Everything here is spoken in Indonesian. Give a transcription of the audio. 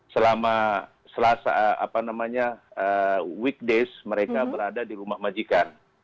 selama selasa apa namanya weekdays mereka berada di rumah majikan